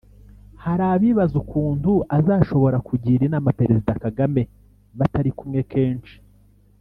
Hari abibaza ukuntu azashobora kugira inama Perezida Kagame batari kumwe kenshi